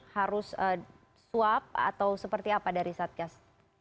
harus swab atau seperti apa dari satgas